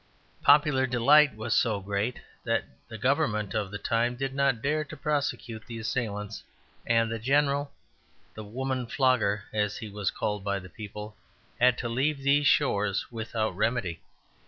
Popular delight was so great that the Government of the time did not dare to prosecute the assailants, and the General the 'women flogger,' as he was called by the people had to leave these shores without remedy.